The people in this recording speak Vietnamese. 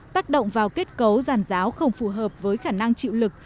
tác động vào kết cấu giàn giáo không phù hợp với khả năng chịu lực